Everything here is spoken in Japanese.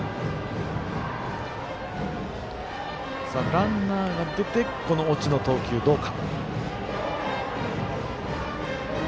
ランナーが出てこの越智の投球どうか。